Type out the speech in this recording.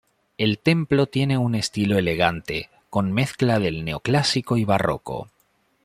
El templo tiene un estilo elegante con mezcla del neoclásico y barroco.